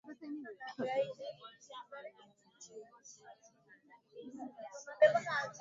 Dakika tatu baadae kuunguruma kwa simu aliyoitupa mezani kulimfanya ageuke kukabiri chumba